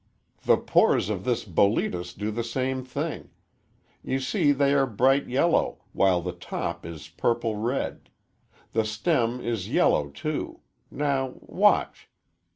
The pores of this Boletus do the same thing. You see they are bright yellow, while the top is purple red. The stem is yellow, too. Now, watch!"